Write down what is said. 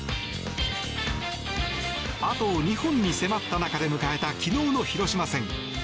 あと２本に迫った中で迎えた昨日の広島戦。